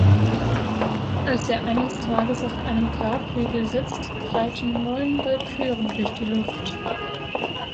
Als er eines Tages auf einem Grabhügel sitzt, reiten neun Walküren durch die Luft.